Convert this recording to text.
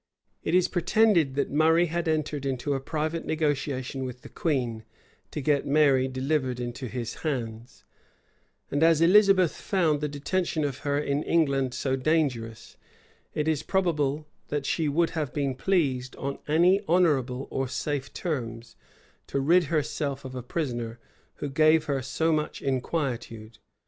} It is pretended, that Murray had entered into a private negotiation with the queen, to get Mary delivered into his hands;[*] and as Elizabeth found the detention of her in England so dangerous, it is probable that she would have been pleased, on any honorable or safe terms, to rid herself of a prisoner who gave her so much inquietude.